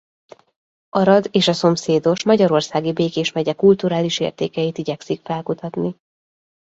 Arad és a szomszédos magyarországi Békés megye kulturális értékeit igyekszik felkutatni.